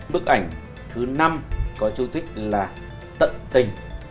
bức ảnh thứ năm có chú thích là tận tình